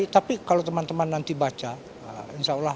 tapi kalau teman teman nanti baca insya allah